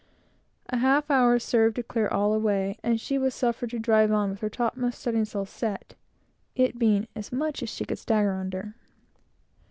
A half hour served to clear all away, and she was suffered to drive on with her topmast studding sail set, it being as much as she could stagger under.